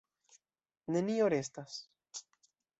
Nenio restas.